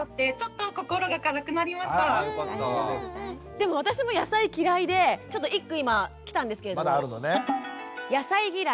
でも私も野菜嫌いでちょっと一句今来たんですけれども。